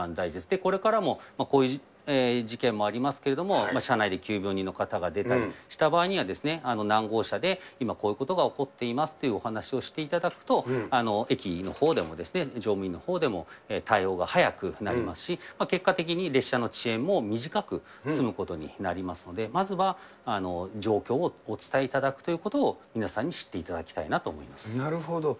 これからもこういう事件もありますけれども、車内で急病人の方が出たりした場合には、何号車で今、こういうことが起こっていますというお話をしていただくと、駅のほうでも乗務員のほうでも対応が早くなりますし、結果的に列車の遅延も短く済むことになりますので、まずは状況をお伝えいただくということを、皆さんに知っていただなるほど。